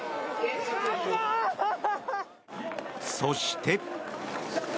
そして。